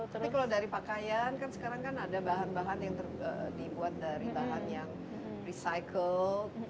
tapi kalau dari pakaian kan sekarang kan ada bahan bahan yang dibuat dari bahan yang recycle